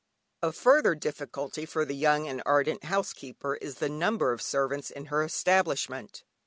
A further difficulty for the young and ardent housekeeper is the number of servants in her establishment.